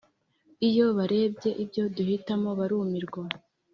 iyo barebye ibyo duhitamo barumirwa.